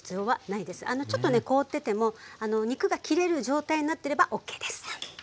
ちょっとね凍ってても肉が切れる状態になってればＯＫです。